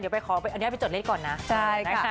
เดี๋ยวไปขออันนี้ไปจดเลขก่อนนะ